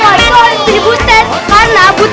kalian semua harus pilih butet ya kalian semua harus pilih butet